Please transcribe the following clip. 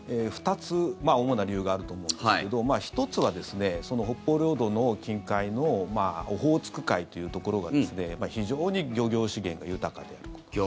２つ、主な理由があると思うんですが１つは、北方領土の近海のオホーツク海というところが非常に漁業資源が豊かで。